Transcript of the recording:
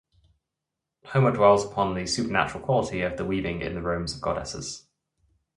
Homer dwells upon the supernatural quality of the weaving in the robes of goddesses.